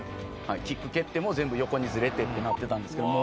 キック蹴っても全部、横にずれてとなっていたんですけど。